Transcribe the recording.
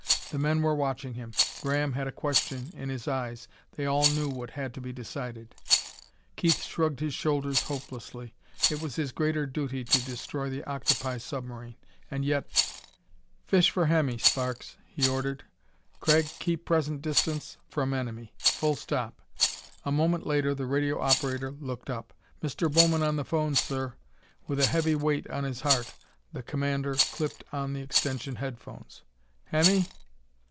The men were watching him; Graham had a question in his eyes. They all knew what had to be decided.... Keith shrugged his shoulders hopelessly. It was his greater duty to destroy the octopi submarine. And yet "Fish for Hemmy, Sparks," he ordered. "Craig, keep present distance from enemy. Full stop." A moment later the radio operator looked up. "Mr. Bowman on the phones, sir." With a heavy weight on his heart the commander clipped on the extension headphones. "Hemmy?"